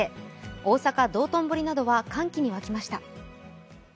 大阪・道頓堀などは歓喜に沸きました。